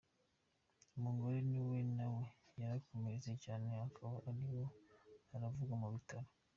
Umugore wiwe nawe yarakomeretse cane akaba ariko aravurwa mu bitaro.